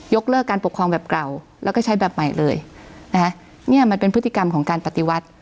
เลิกการปกครองแบบเก่าแล้วก็ใช้แบบใหม่เลยนะคะเนี่ยมันเป็นพฤติกรรมของการปฏิวัติ